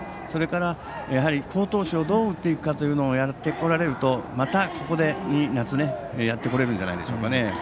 それから、やはり好投手をどうやって打っていこうかということをやってこられるとまた、ここで夏やってこれるんじゃないでしょうか。